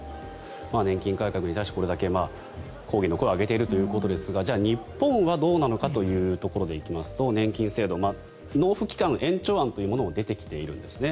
年金改革に対してこれだけ抗議の声を上げているということですがじゃあ、日本はどうなのかというところでいきますと年金制度納付期間延長案というものも出てきているんですね。